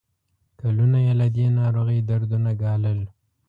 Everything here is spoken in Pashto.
کلونه یې له دې ناروغۍ دردونه ګالل.